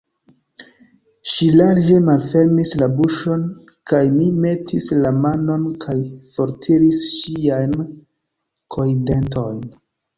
Ŝi larĝe malfermis la buŝon, kaj mi metis la manon kaj fortiris ŝiajn kojndentojn.